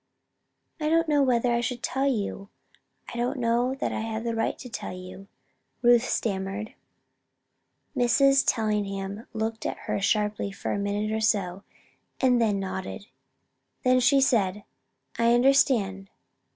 "I don't know whether I should tell you. I don't know that I have a right to tell you," Ruth stammered. Mrs. Tellingham looked at her sharply for a minute or so, and then nodded. Then she said: "I understand.